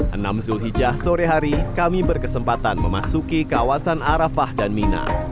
enam zulhijjah sore hari kami berkesempatan memasuki kawasan arafah dan mina